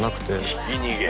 ひき逃げ？